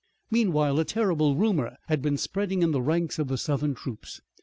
Meanwhile, a terrible rumor had been spreading in the ranks of the Southern troops.